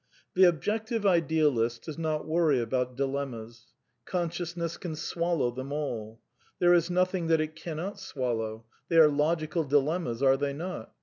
The Objective Idealist does not worry about dilenmias. Consciousness can swallow them all. There is nothing that it cannot swallow. They are logical dilemmas, are they not?